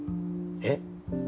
えっ？